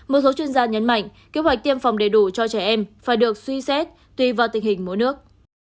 một số chuyên gia nhấn mạnh kế hoạch tiêm phòng đầy đủ cho trẻ em phải được suy xét tùy vào tình hình mỗi nước